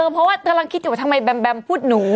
เพราะว่าเธอนักคิดอยู่ทั้งมายแบงบว้าแพงพูดหนู